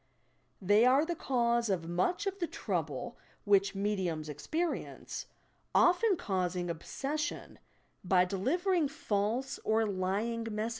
They are the cause of much of the trouble which mediums experience, often causing obses sion by delivering false or lying messages.